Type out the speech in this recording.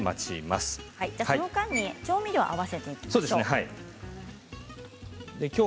その間に調味料を合わせていきましょう。